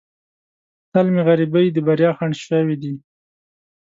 تل مې غریبۍ د بریا خنډ شوې ده.